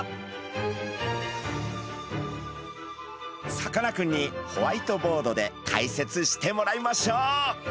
さかなクンにホワイトボードで解説してもらいましょう。